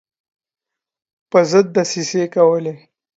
پر ضد دسیسې کولې.